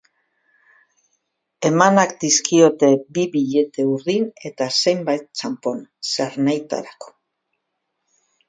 Emanak dizkiote bi billete urdin eta zenbait txanpon, zernahitarako.